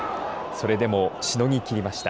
それでも、しのぎ切りました。